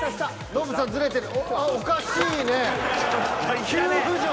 ノブさんズレてる。